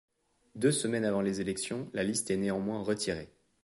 Deux semaines avant les élections la liste est néanmoins retirée.